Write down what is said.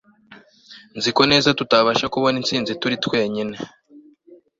Nzi neza yuko tutabasha kubona intsinzi turi twenyine